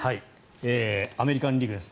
アメリカン・リーグです。